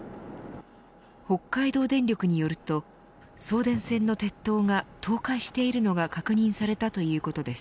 北海道電力によると送電線の鉄塔が倒壊しているのが確認されたということです。